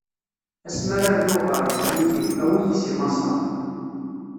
Ass mi ara rnuɣ ɣer lejdud-iw, awi-yi si Maṣer.